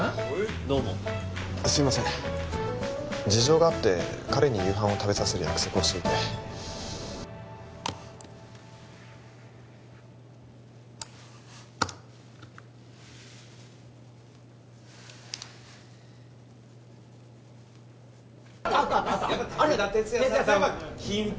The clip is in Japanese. どうもすいません事情があって彼に夕飯を食べさせる約束をしていてあったあった武田鉄也さんは金八